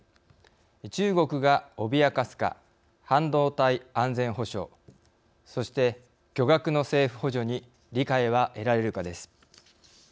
中国が脅かすか、半導体安全保障そして巨額の政府補助に理解は得られるかです。